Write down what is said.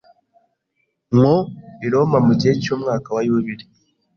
Nko i Roma mugihe cyumwaka wa yubile